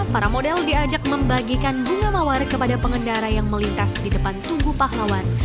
para model diajak membagikan bunga mawar kepada pengendara yang melintas di depan tunggu pahlawan